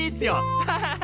ハハハハ！